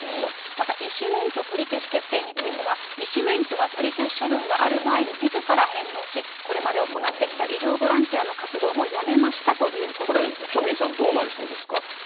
また、医師免許取り消し決定については、医師免許は取り消し処分がある前にみずから返納し、これまで行ってきた医療ボランティアの活動もやめましたというここれ、チョ・ミンさん、どうなりそうですか。